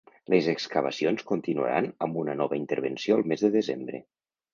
Les excavacions continuaran amb una nova intervenció el mes de desembre.